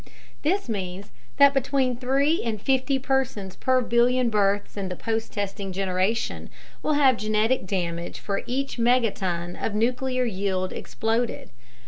This means that between 3 and 50 persons per billion births in the post testing generation will have genetic damage for each megaton of nuclear yield exploded.